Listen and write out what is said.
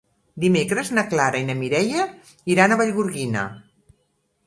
Dimecres na Clara i na Mireia iran a Vallgorguina.